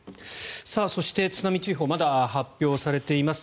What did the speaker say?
そして、津波注意報まだ発表されています。